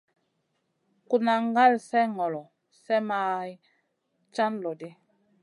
Kuna ŋal slèh ŋolo, slèh may can loɗi.